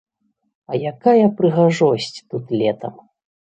А якая прыгажосць тут летам!